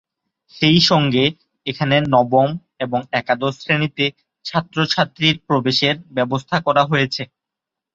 সেই সঙ্গে, এখানে নবম এবং একাদশ শ্রেণীতে ছাত্র-ছাত্রীর প্রবেশের ব্যবস্থা করা হয়েছে।